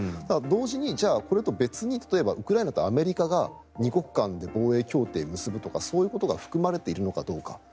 同時に、これと別にウクライナとアメリカが２国間で防衛協定を結ぶとかそういうことが含まれているのかどうか。